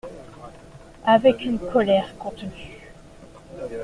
Avec une colère contenue.